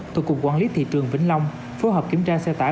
thuộc cục quản lý thị trường vĩnh long phối hợp kiểm tra xe tải